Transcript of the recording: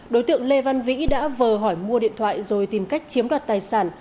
đối tượng lê văn vĩ đã vờ hỏi mua điện thoại rồi tìm cách chiếm đoạt tài sản